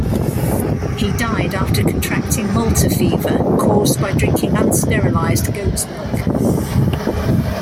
He died after contracting Malta Fever, caused by drinking unsterilised goat's milk.